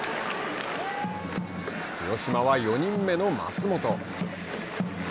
広島は４人目の松本。